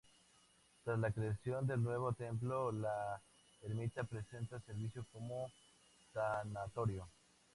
Tras la creación del nuevo templo, la ermita presta servicio como tanatorio.